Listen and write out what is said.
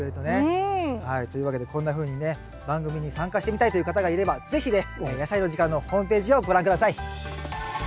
うん。というわけでこんなふうにね番組に参加してみたいという方がいれば是非ね「やさいの時間」のホームページをご覧下さい。